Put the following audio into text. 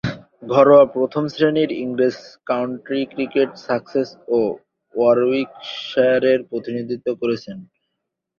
ঘরোয়া প্রথম-শ্রেণীর ইংরেজ কাউন্টি ক্রিকেটে সাসেক্স ও ওয়ারউইকশায়ারের প্রতিনিধিত্ব করেছেন।